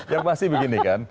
yang pasti begini kan